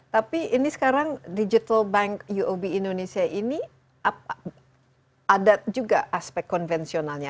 tapi ini sekarang digital bank uob indonesia ini ada juga aspek konvensionalnya